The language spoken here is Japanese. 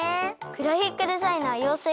グラフィックデザイナー養成学校